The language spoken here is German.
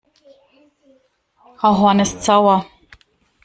Frau Horn ist sauer.